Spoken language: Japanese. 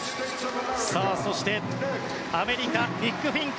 そして、アメリカニック・フィンク。